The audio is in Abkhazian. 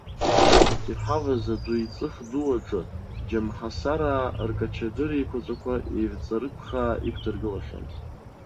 Иҳаваз адәы еиҵых ду аҿы џьамҳасараа ркачадыр еиқәаҵәақәа еивҵарыԥхаа иқәдыргылахьан.